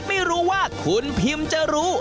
ไม่รู้ว่าคุณพิมจะรู้